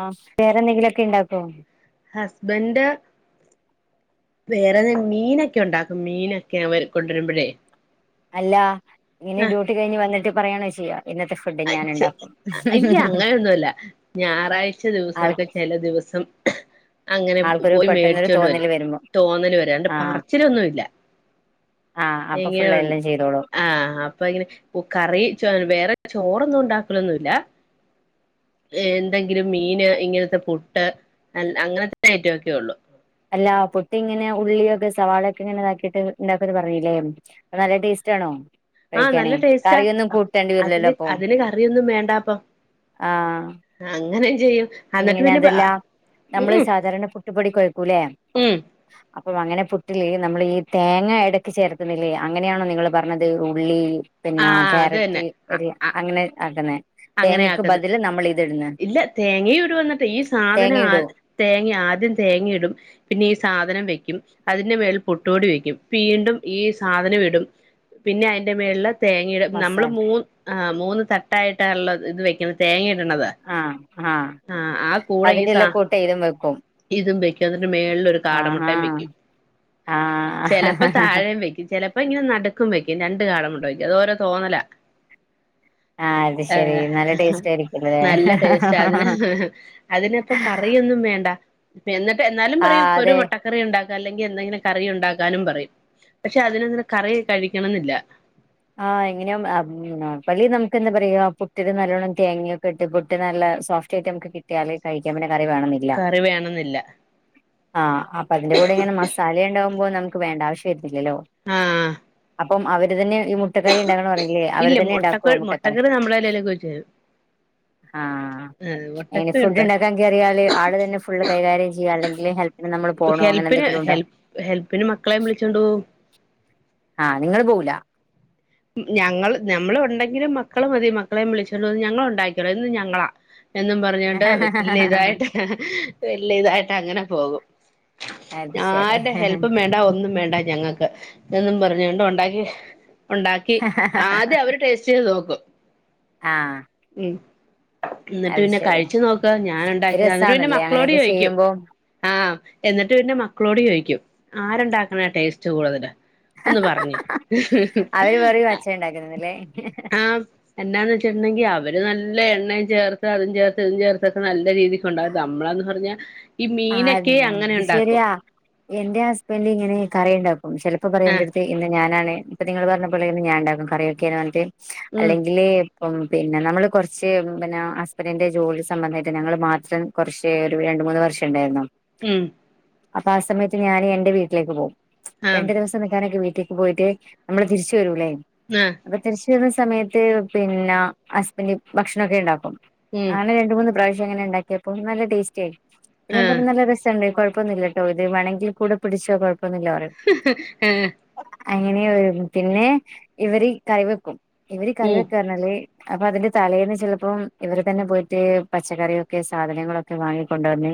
ആസഹ് വേറെന്തെങ്കിലൊക്കെ ഇണ്ടാക്കോ ഹസ്ബന്റ് വേറെത മീനൊക്കെണ്ടാക്കും മീനൊക്കേ അവർ കൊണ്ട്രുമ്പഴേ അല്ലാ ഇങ്ങനേ ഡ്യൂട്ടി കഴിഞ്ഞ് വന്നിട്ട് പറയാണോ ചെയ്യാ ഇന്നത്തെ ഫുഡ്‌ ഞാന്ണ്ടാക്കും ഇല്ല അങ്ങനൊന്നുല്ല ഞാറാഴ്ച ആൾ ദിവസൊക്കെ ചെല ദിവസം അങ്ങനെ ആൾക്കൊരു പോയി പെട്ടെന്നൊരു മേടിച്ചോണ്ട് വരും തോന്നല് വരുമ്പോ തോന്നല് വരാണ്ട് ആഹ് പറച്ചിലൊന്നും ഇല്ല ആഹ് അപ്പൊ ഫുള്ള് എങ്ങനെയുണ്ട് എല്ലാം ചെയ്തോളൂ ആഹ് അപ്പ ഇങ്ങനെ കറി ചോ വേറെ ചോറൊന്നും ഉണ്ടാക്കലൊന്നുല്ല ഏഹ് എന്തെങ്കിലും മീന് ഇങ്ങനത്തെ പുട്ട് അ അങ്ങനത്തെ ഐറ്റം ഒക്കെ ഉള്ളു അല്ലാ പുട്ടിങ്ങനേ ഉള്ളിയൊക്കെ സവാളൊക്കെ ഇങ്ങനെ ഇതാക്കിട്ട് ഇണ്ടാക്കുന്ന് പറഞ്ഞിലേ അത് നല്ല ടേസ്റ്റ് ആണോ ആഹ കഴിക്കാനേ നല്ല ടേസ്റ്റാ കറിയൊന്നും കൂട്ടേണ്ടി വരില്ലല്ലോ അതിന് അപ്പൊ അതിന് കറിയൊന്നും വേണ്ടപ്പൊ ആഹ് അങ്ങനേം ചെയ്യും എന്നിട്ട് ഇങ്ങനെ പിന്നെ അതെല്ലാ നമ്മള് ഉം സാധാരണ പുട്ടുപ്പൊടി കൊഴക്കൂലേ ഉം അപ്പം അങ്ങനെ പുട്ടില് നമ്മൾ ഈ തേങ്ങ എടക്ക് ചേർത്ത്ന്നില്ലേ അങ്ങനെയാണോ നിങ്ങള് പറഞ്ഞത് ഉള്ളി പിന്നെ ആഹ് അത് തന്നെ ക്യാരറ്റ് അ ഒരു അ അങ്ങനെ ആകുന്നെ അങ്ങനെ തേങ്ങക്ക് ആക്കത് ബതില് നമ്മൾ ഇത് ഇടുന്ന ഇല്ല തേങ്ങയും ഇടും എന്നിട്ട് ഈ സാധനം ഇടോ ആഹ് തേങ്ങ ആദ്യം തേങ്ങ ഇടും പിന്നെ ഈ സാധനം വെക്കും അതിന്റെ മേൽ പുട്ടുപൊടി വെക്കും വീണ്ടും ഈ സാധനം ഇടും പിന്നെ അതിന്റെ മേള്ല് തേങ്ങയിടും നമ്മള് മസാല മൂന്ന് ആ മൂന്ന് തട്ടായിട്ടാണല്ലോ ഇത് ഇത് വെക്കണ തേങ്ങയിടണത് ആഹ ആഹ ഈ അതിന്റെ സാ എല്ല കൂട്ട് ഇതും വെക്കും ഇതും വെക്കും എന്നിട്ട് മേളിലൊരു ആഹാ കാടമുട്ടയും വെക്കും ആഹ് ചിലപ്പോ താഴെയും വെക്കും ചിലപ്പോ പ്പം ഇങ്ങനെ നട്ക്കും വെക്കും രണ്ട് കാട മുട്ട വെക്കും അത് ഓരോ തോന്നലാ ആഹ് അത് ശെരി നല്ല ഏഹ് ടേസ്റ്റ് ആയിരിക്കുംല്ലേ നല്ല ടേസ്റ്റ് അതിന് അതിനപ്പോ കറിയൊന്നും വേണ്ട പ്പ എന്നിട്ട് എന്നാലും പറയും ആഹ് ഒരു അതെ മുട്ട കറി ഉണ്ടാക്ക്‌ അല്ലെങ്കിൽ എന്തെങ്കിലും കറി ഉണ്ടാക്കാനും പറയും പക്ഷെ അതിനങ്ങനെ കറി കഴിക്കണംന്നില്ല ആഹ് എങ്ങനെ പള്ളി നമുക്ക് എന്താ പറയാ പുട്ടിന് നല്ലോണ്ണം തേങ്ങൊക്കെ ഇട്ട് പുട്ട് നല്ല സോഫ്റ്റ് റ്റ ആയിട്ട് നമക്ക് കിട്ടിയാല് കഴിക്കൻ പിന്ന കറി വേണംന്നില്ല കറി വേണംന്നില്ല ആഹ് അപ്പൊ അതിന്റെ കൂടെ ഇങ്ങനെ മസാല ഉണ്ടകുമ്പോ നമുക്ക് വേണ്ട ആവശ്യം വരത്തില്ലല്ലോ ആഹ അപ്പം അവര് തന്നെ ഈ മുട്ടക്കറി ഉണ്ടാകണംന്ന് പറയില്ലേ അവര് ഇല്ല തന്നെ മുട്ടക്ക ഉണ്ടാക്കുവോ മുട്ടക്കറി നമ്മളെല്ലാലൊക്കെ വെച്ച് തരും ആഹ ആഹ് എങ്ങനെ മുട്ടക്കറി ഫുഡ് ഉണ്ട് ഉണ്ടാക്കാ അറിയാല് ആള് തന്നെ ഫുള് കൈകാര്യം ചെയ്യാ അല്ലെങ്കിൽ ഹെല്പ് ഹെൽപ്പിന് ഹെൽ ഹെൽപ്പിന് മക്കളേം വിളിച്ചോണ്ടോവും ആഹ നിങ്ങൾ പോവൂല ഞങ്ങൾ ഞമ്മൾ ഉണ്ടെങ്കിലും മക്കള് മതി മക്കളേം വിളിച്ചോണ്ട് വന്ന് ഞങ്ങൾ ഉണ്ടാക്കിയോളാം ഇന്ന് ഞങ്ങളാ എന്നും പറഞ്ഞോണ്ട് വല്ല്യ ഇതായിട്ട് വല്ല്യ ഇതായിട്ട് അങ്ങനെ പോകും അത് ശരി ആരുടെ ഹെല്പ്പും വേണ്ട ഒന്നും വേണ്ട ഞങ്ങൾക്ക് എന്നും പറഞ്ഞോണ്ട് ഉണ്ടാക്കി ഉണ്ടാക്കി ആദ്യം അവര് ടേസ്റ്റ് ചെയ്ത് നോക്കും ആഹ് ഉം ഇന്നിട്ട് അത് പിന്നെ ശരി കഴിച്ചു നോക്ക് ഞാൻ ഉണ്ടാക്കിയതാ ഇന്നിട്ട് പിന്നെ രസാണല്ലേ മക്കളോട് അങ്ങനെയൊക്കെ ചോദിക്കും ചെയ്യുമ്പോ ആഹ് എന്നിട്ട് പിന്നെ മക്കളോട് ചോദിക്കും ആരുണ്ടാക്കണ ടേസ്റ്റ് കൂടുതൽ ഒന്ന് പറഞ്ഞേ അവര് പറയും അച്ഛൻ ഉണ്ടാക്കുന്നന്നല്ലേ ആഹ് എന്നാന്ന് വെച്ചിട്ടണ്ടെങ്കിൽ അവര് നല്ല എണ്ണയും ചേർത്ത് അതും ചേർത്ത് ഇതും ചേർത്തൊക്കെ നല്ല രീതിക്ക് ഉണ്ടാകും നമ്മളെന്ന് പറഞ്ഞ ഈ ആഹ് മീനൊക്കെ അങ്ങനെ ഇത് ഉണ്ടാക്കും ശരിയാ എന്റെ ഹസ്ബന്റ് ഇങ്ങനെ കറിയുണ്ടാക്കും ചിലപ്പോ പറയും ആഹ് എന്റെട്ത്ത് ഇന്ന് ഞാനാണ് ഇപ്പൊ നിങ്ങള് പറഞ്ഞപ്പോലെ ഞാൻ ഇണ്ടാക്കും കറിയൊക്കെന്ന് പറഞ്ഞിട്ട് ഉം അല്ലെങ്കില് അപ്പം പിന്നെ നമ്മള് കുറച്ച് പിന്നെ ഹസ്ബൻഡിന്റെ ജോലി സംബന്ധായിട്ട് ഞങ്ങൾ മാത്രം കുറച്ച് ഒരു രണ്ട് മൂന്ന് വർഷം ഇണ്ടായിരുന്നു ഉം അപ്പൊ ആ സമയത്ത് ഞാന് എന്റെ വീട്ടിലേക്ക് പോവും ആഹ് രണ്ടു ദിവസം നിക്കാനൊക്കെ വീട്ടിലേ പോയിട്ട് നമ്മള് തിരിച്ചു വരൂല്ലേ ആഹ് അപ്പൊ തിരിച്ച വരുന്ന സമയത്ത് പിന്നെ ഹസ്ബൻഡ് ഭക്ഷണൊക്കെ ണ്ടാക്കും ഉം അങ്ങനെ രണ്ട് മൂന്ന് പ്രാവഷ്യം അങ്ങന ഉണ്ടാക്കിയപ്പോൾ നല്ല ടേസ്റ്റ് ആയി ഞാൻ ആഹ് പറഞ്ഞ നല്ല രസണ്ട് കുഴപ്പൊന്നില്ലട്ടോ ഇത് വേമെങ്കിൽ കൂടെ പിടിച്ചോ കുഴപ്പന്നില്ല ന്ന് പറയും ഹ് ഹ് ഈ അങ്ങനെ പിന്നെ ഇവര് കറി വെക്കും ഇവര് കറി ഉം വെക്കാ റഞ്ഞാല് അപ്പൊ അതിന്റെ തലേന്ന് ചിലപ്പോം ഇവർ തന്നെ പോയിട്ട് പച്ചക്കറിയൊക്കെ സാധനങ്ങളൊക്കെ വാങ്ങിക്കൊണ്ടോന്ന്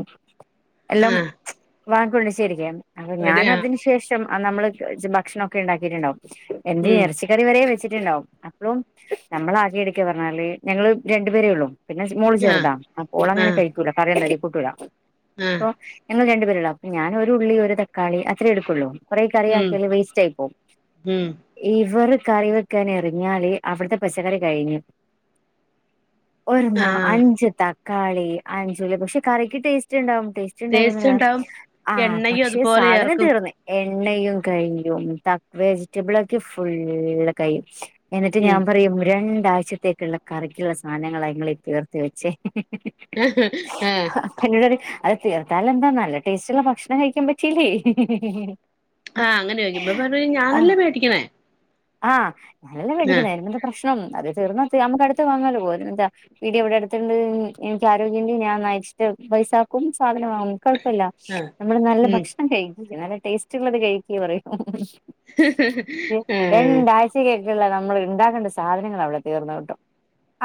എല്ലാം ആഹ് വാങ്ങിക്കൊണ്ട് ശരിക്ക അപ്പൊ റെഡി ഞാൻ ആഹ് അതിനു ശേഷം നമ്മള് ഭക്ഷണം ഒക്കെ ഉണ്ടാക്കിട്ടുണ്ടാവും എന്ത് ഉം യറച്ചി ഇക്കറി വര വെച്ചിട്ടുണ്ടാാവും അപ്പയും നമ്മൾ ആകെ എടക്ക പറഞ്ഞാല് ഞങ്ങൾ രണ്ടുപേരേ ഉള്ളൂ പിന്നെ മോള് ആഹ് ചേറുതാ അപ്പോൾ അങ്ങനെ ആഹ് കയിക്കുല പറയാത കൂട്ടൂല ആഹ് അപ്പൊ ഞ്ഞങ്ങള് രണ്ട് പേരോള്ളു അപ്പൊ ഞാനൊരു ഉള്ളി ഒരു തക്കാളി അത്രേ എടുക്കുള്ളൂ കൊറെ കറി ഉം ആക്കിയല് വേയിസ്റ്റ് ആയി പോവും ഉം ഇവർ കറി വെക്കാൻ എറങ്ങിയാൽ അവിടെ പച്ചക്കറി കഴിഞ്ഞു ഒരു ആഹ് അഞ്ച് തക്കാളി അഞ്ചുള്ളി പക്ഷെ കറിക്ക് ടേസ്റ്റ് ഉണ്ടാവും ടേസ്റ്റ് ച് ണ്ടാക്കണേ ടേസ്റ്റ്ണ്ടാവും ആ എണ്ണയും പക്ഷെ അതുപോലെ സാധന ചേർക്കും തീർന്ന് എണ്ണയും കയിഞ്ഞു തക് വെജിറ്റബിള ഒക്കെ ഫുള്ള് കഴിയും എന്നിട്ട് ഉം ഞാൻ പറയും രണ്ടാഴ്ചത്തേക്കുള്ള കറിക്കുള്ള സാധനങ്ങള ങ്ങളി തീർത്ത വെച്ചേ ഹ് ആഹ് പ്പൊ എന്നോട് പറയും അത് തീർത്താൽ എന്താ നല്ല ടേസ്റ്റ്ള്ള ഭക്ഷണം കഴിക്കാൻ പറ്റില്ലേ ആഹ്ങ്ങനെ ചോയിക്കുമ്പോ പറയും ഞാനല്ലേ മേടിക്കണേ ആഹ്ഞാനല്ല ആഹ് മേടിച്ചുക്കന്നെ അതിന എന്താ പ്രശ്നം അത് തീർന്ന നമുക്ക് അടുത്ത് വാങ്ങല്ലോ പ്പോ അതിന എന്താ പീടിക എവിടെ അടുത്തട്ടുണ്ട് എനിക്ക് ആരോഗ്യണ്ട് ഞാൻ നയിച്ചിട്ട് പൈസാക്കും സാധന വങ്ങും കുഴപ്പല്ല ആഹ് നമ്മള് നല്ല ഉം ഭക്ഷണം കഴിക്കി നല്ല ടേസ്റ്റ് ഉള്ളത് കഴിക്കി പറയും ഹ് ഹ് ഹ് രണ്ടാഴ്ചക്കേക്കുള്ള നമ്മൾ ഉണ്ടാക്കേണ്ട സാധനങ്ങൾ അവിടെ തീർന്ന് കിട്ടും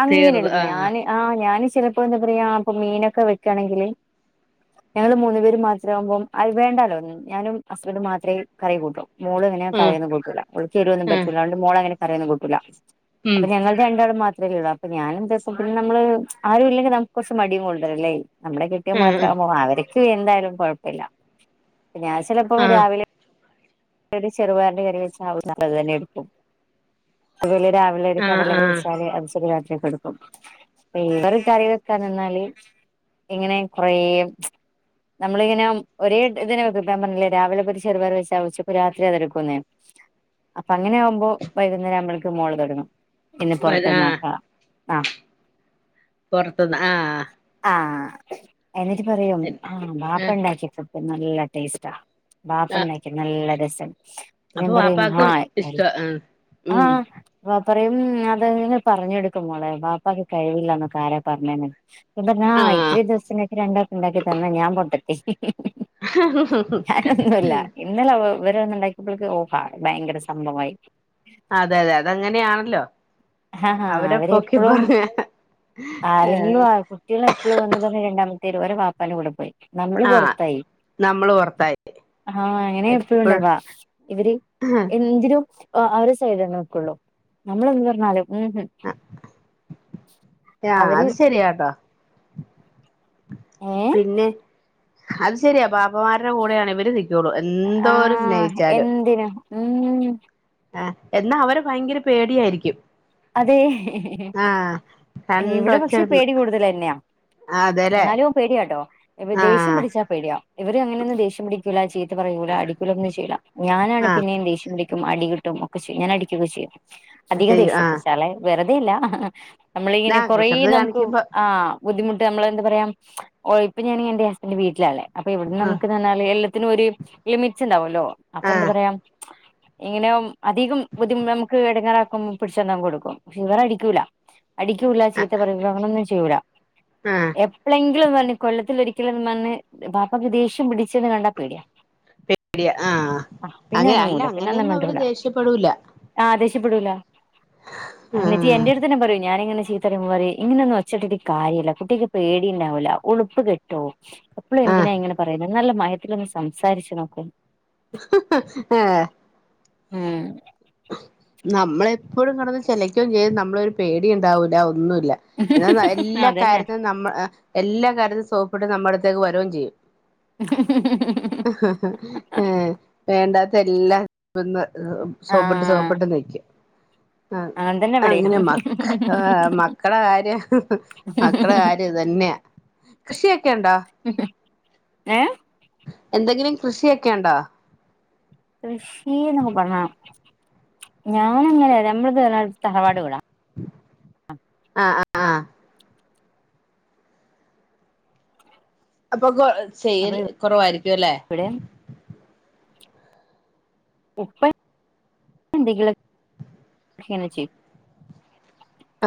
അങ്ങനെ തീർന്ന് എടുക്കും ആഹ് ഞാൻ ആ ഞാൻ ചിലപ്പോ എന്താ പറയാ ഇപ്പൊ മീനൊക്കെ വെക്കയാണെങ്കില് ഞങ്ങൾ മൂന്നു പേര് മാത്രമ ആവുമ്പോ വേണ്ടാലോ ഒന്നും ഞാനും അസ്ബന്റ് മാത്രമേ കറി കൂട്ടു മോള് ഇങ്ങനെ ആഹ് കറയും കൂട്ടല ഒളിക്ക്എരുന്നും ആഹ് പറ്റൂല്ല അതൊണ്ട് മോള അങ്ങനെ കറിയൊന്ന കൂട്ടൂല ഉം അപ്പൊ ഞങ്ങൾ രണ്ടാളും മാത്രള്ളൂ അപ്പൊ ഞാനും രസത്തിന് നമ്മള് ആരും ഇല്ലെങ്കിൽ നമുക്ക് കുറച്ച് മടിയും കൊണ്ടല്ലേ നമ്മുടെ കെട്ടിയോൻ ആഹ് മാത്രവുമ്പോ അവർക്ക് എന്തായാലും കുഴപ്പില്ല പിന്നെ ചിലപ്പോ ആഹ് ആഹ് രാവിലെ ഒരു ചെറുപാറിന്റെ കറി വെച്ച ആക അത് തന്നെ എടുക്കും അതുപോലെ രാവിലെ ഒരു ആഹ് കടല കറിച്ചാല് അത് ശെരിയാക്കിക്കെ എടുക്കും ഇവർ കറി വെക്കാൻ നിന്നാല് എങ്ങനെ കൊറെ നമ്മളിങ്ങനെ ഒരേ ഇതിനെ ഞാൻ പറഞ്ഞില്ലേ രാവിലെ ഒരു ചെറുപേർ വെച്ച വെച്ചു രാത്രി അത് തന്നെ എടുക്കുന്നേ അപ്പൊ അങ്ങനെ ആകുമ്പോൾ വൈകുന്നേരം ആവ്പൾക്ക് മോള് തുടങ്ങും പിന്നെ ആഹ് പുറത്തന്നാക്ക ആഹ് പുറത്ത്ന്ന് ആഹ് ആഹ് എന്നിട്ട് പറയും ആ വാപ്പ ഉണ്ടാക്കിയ ഫുഡ് നല്ല ടേസ്റ്റാ ആഹ് ബാപ്പണ്ടാക്കിയെകനല്ല രസം അപ്പൊ ഞാൻ പറിയും വാപ്പാക്കും ആഹ് ഇഷ്ട ആഹ് ആ ഉം വാപ്പ പറയും അതെ പറഞ്ഞെടുക്കു മോളെ വാപ്പാക്ക് കഴിവില്ലന്ന് ആരാന്ന് പറഞ്ഞേന്ന് ഇപ്പഞ്ഞാ ആഹ് ഇത്ര ദിവസക്കെ രണ്ടൊക്ക് ഉണ്ടാക്കി തന്ന ഞാൻ പൊട്ടത്തി ഞാൻ ഒന്നുല്ല ഇന്നല ഇവര് ഉണ്ടാക്കിയപ്പോക്ക് ഓഹ് ഭയങ്കര സംഭമായി അതെ അതെ അതെ അങ്ങനെയാണല്ലോ ആഹ് ഹാ അവരെപ്പോഴും ആരെങ്കിലും ഏഹ് [unintelligible] കുട്ടികള് എപ്പോഴും ഒന്ന് പറഞ്ഞ് രണ്ടാമത്തെേരു വരെ വാപ്പാന്റെ കൂടെ പോയി നമ്മള് ആഹ് പുറത്തായി [inaudible] ആഹ് അങ്ങനെ ഇപ്പഴും എപ്പോഴുംണ്ടവാ ഇവര് എന്തിനും ആഹ് അവര് സൈഡ് നിക്കുള്ളൂ നമ്മള് എന്ത്‌ പറഞ്ഞാലും ഉം ഉം ആഹ് അത് ശെരിയാട്ടോ ഏഹ് പിന്നെ അത് ശരിയാ ബാപ്പമാരുടെ കൂടെയാണ് ഇവര് നിക്കുള്ളൂ എന്തോരം ആഹ് സ്നേഹിച്ചാല് എന്തിനും ഉം ആഹ് എന്നാ അവരെ ഭയങ്കര പേടിയായിരിക്കും അതെ ആഹ് ഇവിടെ പക്ഷെ രണ്ടൊച്ചയിടുന്ന് പേടി കൂടുതലന്നെയാ അതെല്ലേ എന്നാലും പേടിയാട്ടോ ദേഷ്യം ആഹ് പിടിച്ചാ പേടിയാ ഇവർ അങ്ങനന്നും ദേഷ്യം പിടിക്കൂല്ല ചീത്ത പറയൂല അടിക്കൂല ഒന്നും ചെയ്ല ഞാനാണ് ആഹ് പിന്നെയും ദേഷ്യം പിടിക്കും അടി ടോമെക്കെ ചെയ് ഞാൻ അടിക്കൊക്കെ ചെയ്യും [inaudible] അധികം ദേഷ്യ ആഹ് പിച്ചാലെ വെറുതെല്ല നമ്മളിങ്ങനെ ആഹ് കൊറേ കുസൃതി നമുക്ക് കാണിക്കുമ്പോ ആഹ് ബുദ്ധിമുട്ട് നമ്മൾ എന്താ പറയാ ഇപ്പ ഞാനൻ എന്റെ ഹസ്ബൻഡിന്റെ വീട്ടിലാല്ലെ അപ്പൊ ഇവിട്ന്ന് ആഹ് നമക്ക് പറഞ്ഞാൽ എല്ലാത്തിനും ഒരു ലിമിറ്റ്ണ്ടാവുല്ലോ അപ്പൊ ആഹ് എന്താറയാ ഇങ്ങനെ അധികം ബുദ്ധിമു നമക്ക് എടങ്ങേറാക്കുമ്പോ പിടിച്ചൊന്ന് അങ്ങ് കോടുക്കും ഇവറെ അടിക്കൂല അടിക്കൂല്ല ചീത്ത പറയുല്ല അങ്ങനൊന്നും ചെയ്യൂല ആഹ് എപ്പേളെങ്കിലും ന്നറഞ് കൊല്ലത്തിലൊരിക്കൽ നിന്നാണ്ട് വാപ്പക്ക് ദേഷ്യം പിടിച്ണ് കണ്ടാ പേടിയാ [unintelligible] പേടിയ ആഹ് പിന്നെ അങ്ങനെ അല്ല അനങ്ങൂല പിന്നെ ഒന്നും അങ്ങനെയൊന്നും അവര് മിണ്ടൂല ദേഷ്യപ്പെടൂല്ല അനക്ക് എന്റെട് ഇതന്നെ പറയും ഞാനിങ്ങനെ ചീത്ത പറയുമ്പോറയും ഇങ്ങനൊന്നും ഒച്ചിട്ട് കാര്യല്ല കുട്ടക്ക് പേടിണ്ടാവൂല്ല ഉളുപ്പ് കിട്ടി ട്ടോ എപ്പളും ആഹ് എന്തിനാ ഇങ്ങനെ പറയുന്നെ നല്ല മയത്തിലൊന്ന് സംസാരിച്ചു നോക്കു ഏഹ് ഉം നമ്മളെപ്പളും കടന്ന് ചെലക്കും ചെയ്യും നമ്മളെ ഒരു പേടിണ്ടാവൂല്ല ഒന്നുല്ല എന്നാ എല്ലാ അതന്നെ കാര്യത്തിനും നമ്മ എല്ലാ കാര്യത്തിനും സോപ്പിട് നമ്മളെടുത്തേക്ക് വരും ചെയ്യും [unintelligible] ഏഹ് വേണ്ടാത്തല്ലാ ന്നും സോപ്ട്ട് ആഹ് സോപ്പ്ട്ട് നിക്കും ആഹ് അങ്ങനെ തന്നെ ഇവിടെയും അങ്ങനെ മക്കളെ കാര്യം മക്കളെ കാര്യം തന്നെയ കൃഷിയൊക്കെണ്ടോ ഏഹ് എന്തെങ്കിലും കൃഷിയൊക്കെണ്ടോ കൃഷി ന്നൊക്കെ പറഞ്ഞ ഞാനിങ്ങനെ നമ്മള്ത് പറഞ്ഞാൽ തറവാട് വീടാ ആഹ് ആഹ് ആഹ് അപ്പൊ കൊ ചെയ്യൽ അപ്പൊ കൊറവായിരിക്കുല്ലെ ഇവിടെ ഉപ്പ എന്തെങ്കിലൊക്കെങ്ങനെ ചെയ്യും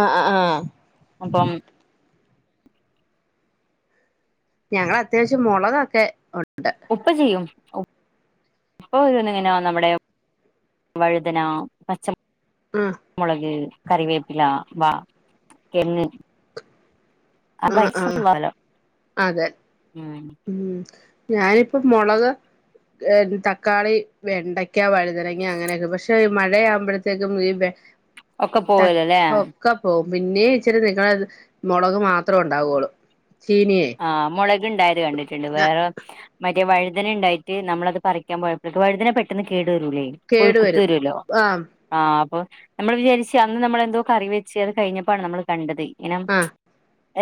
ആഹ് ആഹ് ആഹ് അപ്പം ഞങ്ങളത്യാവ്ശ്യം മൊളകക്കൊ ഉണ്ട് ഉപ്പ ചെയ്യും ഇപ്പ ഓരോന്നിങ്ങനെ നമ്മടെ വഴുതന പച്ച മൊ ഉം മൊളക് കറിവേപ്പില വഴ തെങ്ങ് ആ ആ [unintelligible] അതെ ഉം ഉം ഞാനിപ്പോ മൊളക് തക്കാളി വെണ്ടയ്ക്ക വഴുതനങ്ങ അങ്ങനെയൊക്കെ പക്ഷെ ഈ മഴയാവുമ്പളത്തേക്കും ഈ വെ ഒക്കെ തക്ക പോവല്ലോല്ലേ ഒക്കെ പോവും പിന്നെ ഇച്ചരി [unintelligible] മൊളക് മാത്രംം ത്രണ്ടാ വൊള്ളൂ ചീനയേ ആഹ് മൊളക്ണ്ടായത് കണ്ടിട്ടുണ്ട് വേറെ മര് റ്റേ വഴുതനണ്ടായിട്ട് നമളത് പറിക്കാൻ പോയപ്പയേ വഴുതനെ പെട്ടെന്ന് കേട് വരൂല്ലേ കൊഴി കേടു ക്കുത്ത് വരും വരോല്ലോ ആ ആഹ് അപ്പൊ നമ്മൾ വിചാരിച്ച അന്ന് നമ്മൾെന്തോ കറി വെച്ച് അത് കഴിഞ്ഞപ്പാണ് നമ്മൾ കണ്ടത് ഇങ്ങനെ ആ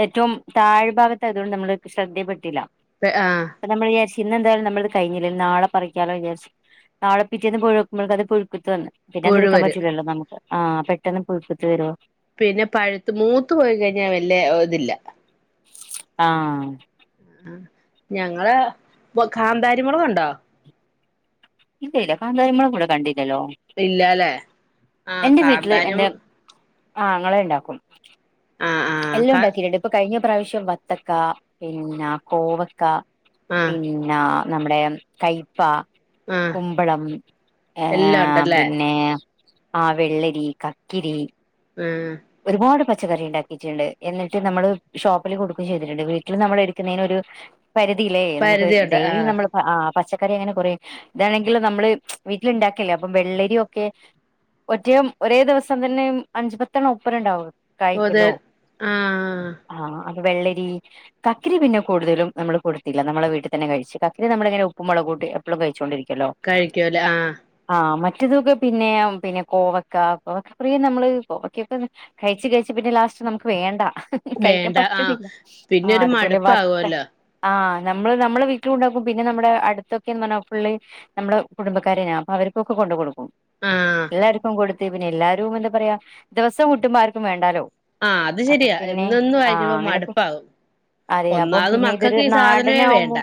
ഏറ്റവും താഴ്ഭാഗത്തായ തോണ്ട് നമ്മൾ ശ്രദ്ധേൽപ്പെട്ടില്ല പെ ആഹ് അപ്പ നമ്മൾ വിചാരിച്ചു ഇന്നെ എന്തായാലും നമ്മളത് കഴിഞ്ഞില്ലേ നാളെ പറിക്കാലോ വിചാരിച്ചു നാളെ പ്പിറ്റേന്ന് പോയോക്കുമ്പൾക്കത് പുഴുക്കുത്ത് വന്ന് പിന്നെ പുഴു അതിട്ക്കാൻ വരും പറ്റൂല്ലല്ലോ നമുക്ക് ആഹ് പെട്ടെന്ന് പുഴു കുത്ത് വരുവോ പിന്നെ പഴുത്ത് മൂത്ത് പോയി കഴിഞ്ഞാൽ വല്യയെ ഇതില്ല ആഹ് ആഹ് ഞങ്ങള് കാന്താരി മൊളകുണ്ടോ ഇല്ല ഇല്ല കന്താരി മൊളക് ഇവിടെ കണ്ടില്ലല്ലോ ഇല്ലല്ലേ ആഹ് കാന്താനും ആങ്ങളെ ഇണ്ടാക്കും ആഹ് ആഹ് എല്ലം കാ ഉണ്ടാക്കിറ്റ്ണ്ട് ഇപ്പൊ കഴിഞ്ഞ പ്രാവശ്യം വത്തക്ക പിന്ന കോവക്ക ആഹ് പിന്ന നമ്മടെ കയ്പ്പ ആഹ് കുമ്പളം എല്ലാം ഏഹ് ഉണ്ടല്ലേ പിന്നെ ആഹ് വെള്ളരി കക്കിരി ഉം ഒരുപാട് പച്ചക്കറി ഇണ്ടാക്കി റ്റ്ണ്ട് എന്നിട്ട് നമ്മള് ഷോപ്പില് കൊടുക്കും ചെയ്തിട്ടുണ്ട് വീട്ടിൽ നമ്മൾ എടുക്കുന്നേന് ഒരു പരിധിയില്ലേ നമക്ക് പരിധിയുണ്ട് ഡെയിലി ആഹ് നമ്മൾ ആഹ് പച്ചക്കറി അങ്ങനെ കുറേ ഇതാണെങ്കില് നമ്മള് വീട്ടിലിണ്ടാക്കല്ലേ അപ്പം വെള്ളരിയൊക്കെ ഒറ്റയും ഒരേ ദിവസം തന്നെയും അഞ്ച്പത്തെണ്ണ ഒപ്പർ ഇണ്ടാവും പോതെൽ ആഹ് ആഹ് അപ്പ വെള്ളരി കക്കരി പിന്നെ കൂടുതലും നമ്മള് കൊടുത്തില്ല നമ്മളെ വീട്ടിൽ തന്നെ കഴിച്ച് കക്കരി നമ്മളിങ്ങനെ ഉപ്പും മൊളകൂട്ടി എപ്പളും കഴിച്ചോണ്ടിരിക്കുവല്ലോ കഴിക്കുവല്ലോ ആഹ് ആഹ് മറ്റേതൊക്കെ പിന്നെ പിന്നെ കോവക്ക കോവക്ക കുറേ നമ്മള് കോവക്കയൊക്കെ കഴിച്ച് കഴിച്ച് പിന്നെ ലാസ്റ്റ് നമക്ക് വേണ്ട കഴിക്കാൻ വേണ്ട ആഹ് പറ്റത്തില്ല പിന്നെ ആഹ് ഒരു അതുപോലെ വത്ത മടുപ്പാകുവല്ലോ ആഹ് നമ്മള് നമ്മളെ വീട്ടിലുണ്ടാക്കും പിന്നെ നമ്മുടെ അടുത്തൊക്കെന്ന് പറഞ്ഞാൽ ഫുള്ള് നമ്മടെ കുടുംബക്കാരെനാ അപ്പൊ അവർക്കൊക്കെ കൊണ്ട് കൊടുക്കും ആഹ് എല്ലാർക്കും കൊടുത്ത് പിന്നെ എല്ലാരും എന്താ പറയാ ദിവസം കിട്ടുമ്പോ ആർക്കും വേണ്ടാലോ ആഹ് അത് അപ്പ ശരിയാ പിന്നെ എന്നൊന്ന് ആഹ് വായിക്കുമ്പോ അങ്ങനെക്കെ മടുപ്പാകും അതെ അപ്പം ഒന്നാമത് പിന്നെ ഇതൊരു മക്കൾക്ക് ഈ നാടന സാധനമേ ആകുമ്പോ വേണ്ട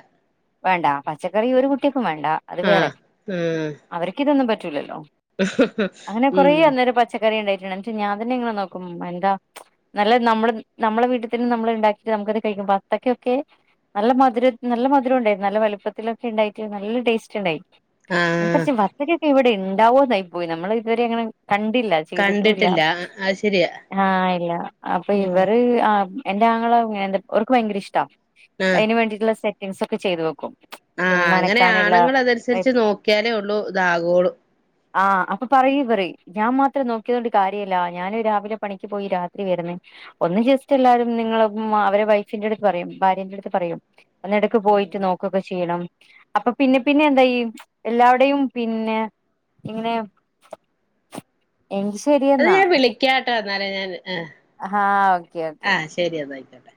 വേണ്ട പച്ചക്കറി ഒരു കുട്ടിക്കും വേണ്ട അത് വേറെ ആഹ് ഉം അവർക്കിതൊന്നും പറ്റൂലല്ലോ. അങ്ങനെ കൊറേ ഉം അന്നേരം പച്ചക്കറി ഇണ്ടായിട്ടുണ്ട് എന്നിട്ട് ഞാൻ തന്നെ ഇങ്ങനെ നോക്കും എന്താ നല്ല നമ്മൾ നമ്മള വീട്ടിതന്നെ നമ്മള് ഇണ്ടാക്കിട്ട് നമുക്കത് കഴിക്കും വത്തക്കൊക്കെ നല്ല മധുരം നല്ല മധുരം ഉണ്ടായിരുന്നു നല്ല വലുപ്പത്തിലൊക്കെ ഇണ്ടായിട്ട് നല്ല ടേസ്റ്റ് ഇണ്ടായി ആഹ് [unintelligible] വത്തക്കക്കൊക്കെ ഇവിടെ ഇണ്ടാവോന്നായി പോയി നമ്മള് ഇത്വരെ അങ്ങനെ കണ്ടില്ല ചെയ്തുട്ടുല്ല കണ്ടിട്ടില്ല അത് ശരിയാ ആഹ് അപ്പൊ ഉം ഇവര് ആഹ് എന്റെ ആങ്ങള എന്ത ഓർക്ക് ഭയങ്കര ഇഷ്ട്ടാ ആഹ് അയിനു വേണ്ടിട്ട്ള്ള സെറ്റിംഗസ് ഒക്കെ ചെയ്തു വെക്കും പിന്നെ ആഹ് അങ്ങനെ നനക്കാനുള്ള ആണുങ്ങൾ അതനുസരിച്ച് പൈപ്പ്. നോക്കിയാലേ ഒള്ളൂ ഇതാകോള്ളൂ ആഹ് അപ്പൊ പറയും ഇവര് ഞാൻ മാത്രം നോക്കിയോണ്ട് കാര്യല്ല ഞാന് രാവിലെ പണിക്ക് പോയി രാത് ഈ വീട്ന്ന് ഒന്ന് ജസ്റ്റ് എല്ലാരും നിങ്ങളെ മ അവരെ വൈഫിന്റെ ട്ത്ത് പറയും ഭാര്യന്റെ ട്ത്ത് പറയും. ഒന്നെടക്ക് പോയിറ്റ് നോക്കുകൊക്കെ ചെയ്യണം. അപ്പ പിന്നെ പിന്നെ എന്തയ്യും എല്ലാവ്ടെയും പിന്നെ ഇങ്ങനെ എങ്കി ശെരിയെന്നാ ക്യാട്ട ന്നാല് ഞാൻ ആഹ് ആഹ് ഓക്കെ ഓക്കേ ആഹ് ശരി ന്ന അയ്ക്കോട്ടെ.